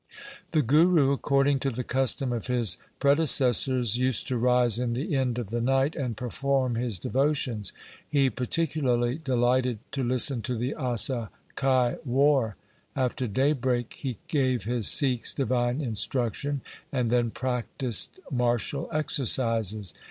The Guru, according to the custom of his prede cessors, used to rise in the end of the night and perform his devotions. He particularly delighted to listen to the Asa ki War. After daybreak he gave his Sikhs divine instruction and then practised martial exercises.